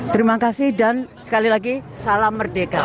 terima kasih dan sekali lagi salam merdeka